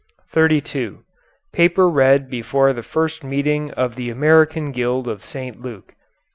] [Footnote 32: Paper read before the first meeting of the American Guild of St. Luke.